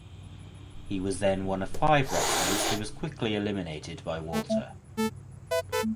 He was then one of five wrestlers who was quickly eliminated by Walter.